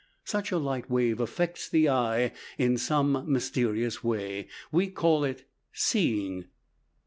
Such a light wave affects the eye in some mysterious way. We call it "seeing."